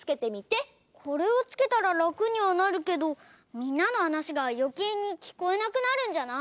これをつけたららくにはなるけどみんなのはなしがよけいにきこえなくなるんじゃない？